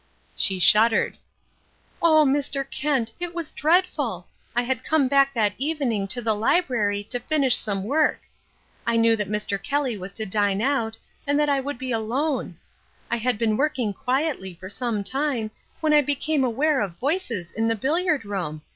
She shuddered. "Oh, Mr. Kent, it was dreadful! I had come back that evening to the library to finish some work. I knew that Mr. Kelly was to dine out and that I would be alone. I had been working quietly for some time when I became aware of voices in the billiard room.